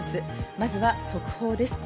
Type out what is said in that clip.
まずは速報です。